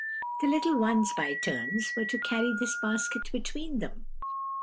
The little ones, by turns, were to carry this basket between them.